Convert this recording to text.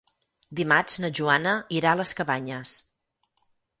Dimarts na Joana irà a les Cabanyes.